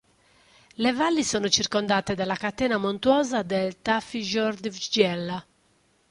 Le valli sono circondate dalla catena montuosa del Tafjordfjella.